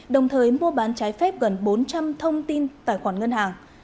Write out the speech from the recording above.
đồng thời mua bán trái phép gần bốn trăm linh thông tin tài khoản ngân hàng